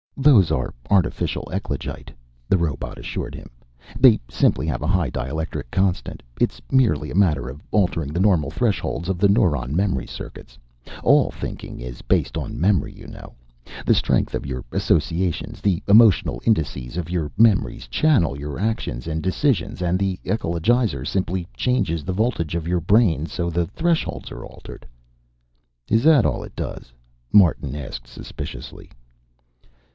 "Those are artificial eclogite," the robot assured him. "They simply have a high dielectric constant. It's merely a matter of altering the normal thresholds of the neuron memory circuits. All thinking is based on memory, you know. The strength of your associations the emotional indices of your memories channel your actions and decisions, and the ecologizer simply changes the voltage of your brain so the thresholds are altered." "Is that all it does?" Martin asked suspiciously.